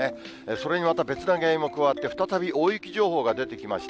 それにまた別の原因も加わって、再び大雪情報が出てきました。